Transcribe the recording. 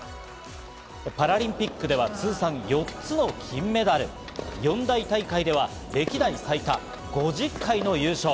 パラリンピックでは通算４つの金メダル、四大大会では歴代最多５０回の優勝。